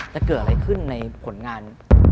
จะเกิดอะไรขึ้นในผลงาน